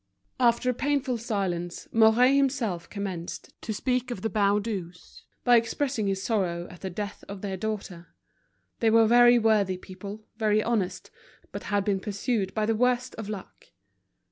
After a painful silence, Mouret himself commenced to speak of the Baudus, by expressing his sorrow at the death of their daughter. They were very worthy people, very honest, but had been pursued by the worst of luck.